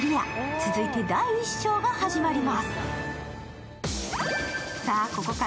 続いて第１章が始まります。